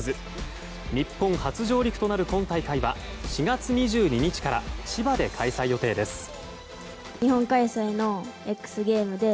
日本初上陸となる今大会は４月２２日から千葉で開催予定です。